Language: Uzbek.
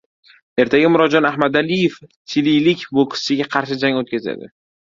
Ertaga Murodjon Ahmadaliyev chililik bokschiga qarshi jang o‘tkazadi